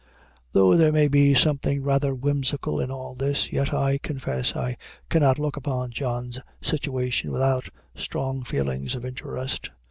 Though there may be something rather whimsical in all this, yet I confess I cannot look upon John's situation without strong feelings of interest.